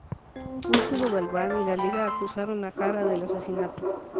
Úrsulo Galván y la Liga acusaron a Jara del asesinato.